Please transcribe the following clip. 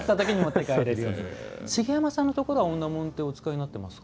茂山さんのところは女紋はお使いになってますか？